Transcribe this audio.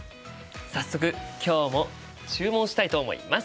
早速今日も注文したいと思います！